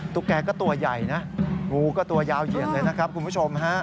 แกก็ตัวใหญ่นะงูก็ตัวยาวเหยียดเลยนะครับคุณผู้ชมฮะ